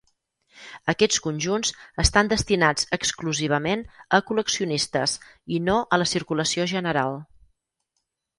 Aquests conjunts estan destinats exclusivament a col·leccionistes i no a la circulació general.